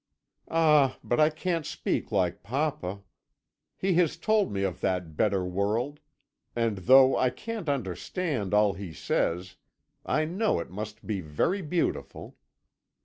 "'Ah, but I can't speak like papa. He has told me of that better world, and though I can't understand all he says, I know it must be very beautiful.